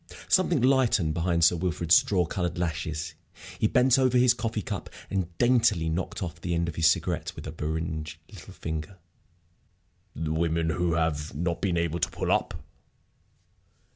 Something lightened behind Sir Wilfrid's straw colored lashes. He bent over his coffee cup and daintily knocked off the end of his cigarette with a beringed little finger. "The women who have not been able to pull up?"